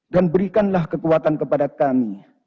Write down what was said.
berikanlah kekuatan kepada kami